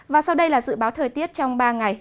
và sau đây là dự báo thời tiết trong ba ngày